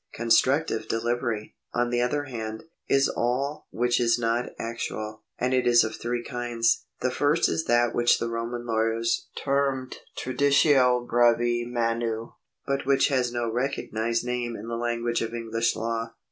Constructive delivery, on the other hand, is all which is not actual, and it is of three kinds. The first is that which the Roman lawyers termed traditio brevi manu, but which' has no recognised name in the language of English law.